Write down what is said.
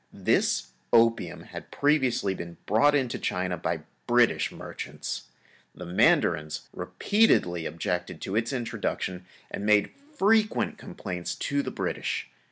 This opium had previously been brought into China by British merchants. The mandarins repeatedly objected to its introduction and made frequent complaints to the British.